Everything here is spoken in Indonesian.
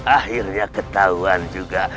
akhirnya ketahuan juga